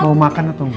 mau makan atau engga